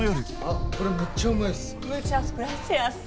あっこれめっちゃうまいっす。